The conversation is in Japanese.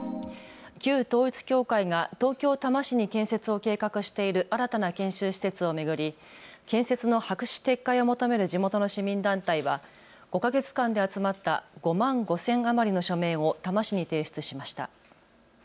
旧統一教会が東京多摩市に建設を計画している新たな研修施設を巡り建設の白紙撤回を求める地元の市民団体は５か月間で集まった５万５０００余りの署名を多摩市に提出しました。